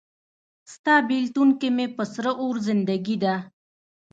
ستا بیلتون کې مې په سره اور زندګي ده